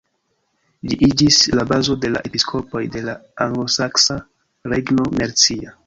Ĝi iĝis la bazo de la episkopoj de la anglosaksa regno Mercia.